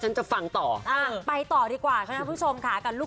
ฉันไม่ไหวแต่พูดตามแล้วนะ